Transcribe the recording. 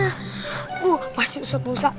aduh pasti ustaz musa